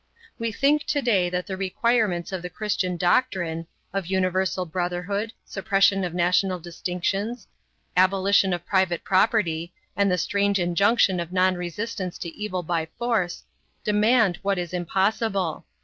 We think to day that the requirements of the Christian doctrine of universal brotherhood, suppression of national distinctions, abolition of private property, and the strange injunction of non resistance to evil by force demand what is impossible.